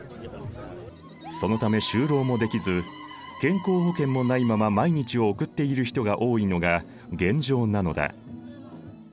そのため就労もできず健康保険もないまま毎日を送っている人が多いのが現状なのだ。